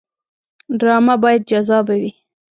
ډرامه باید جذابه وي